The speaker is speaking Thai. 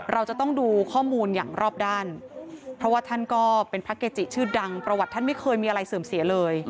เราจะต้องดูข้อมูลอย่างรอบด้านเพราะว่าท่านก็เป็นพระเกจิชื่อดังประวัติท่านไม่เคยมีอะไรเสื่อมเสียเลย